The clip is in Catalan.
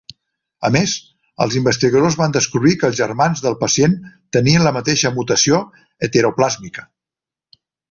A més, els investigadors van descobrir que els germans del pacient tenien la mateixa mutació heteroplàsmica.